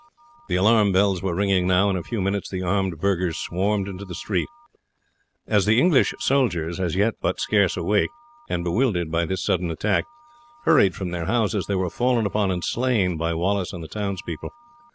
The alarm bells were ringing now, and in a few minutes the armed burghers swarmed in the street. As the English soldiers, as yet but scarce awake, and bewildered by this sudden attack, hurried from their houses, they were fallen upon and slain by Wallace and the townspeople.